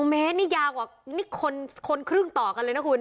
เมตรนี่ยาวกว่านี่คนครึ่งต่อกันเลยนะคุณ